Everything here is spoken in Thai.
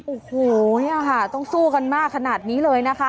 โอ้โหเนี่ยค่ะต้องสู้กันมากขนาดนี้เลยนะคะ